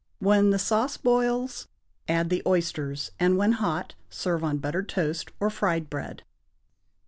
When the sauce boils, add the oysters; and when hot serve on buttered toast or fried bread.